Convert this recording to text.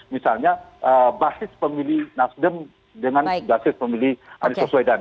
misalnya basis pemilih nasdem dengan basis pemilih arissa suhaidan